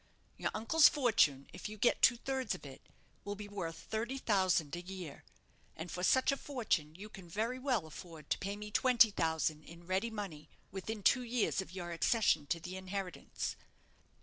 Your uncle's fortune, if you get two thirds of it, will be worth thirty thousand a year; and for such a fortune you can very well afford to pay me twenty thousand in ready money within two years of your accession to the inheritance."